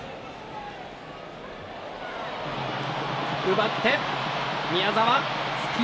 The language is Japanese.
奪って、宮澤。